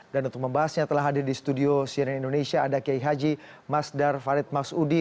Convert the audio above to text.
dan untuk membahasnya telah hadir di studio siren indonesia ada kiai haji mas dar farid mas udi